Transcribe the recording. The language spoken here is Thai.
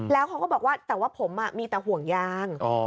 แล้วเขาก็บอกว่าแต่ว่าผมมีแต่ห่วงยาง